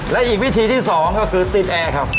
และอีกวิธีที่๒ก็คือติดแอร์ครับ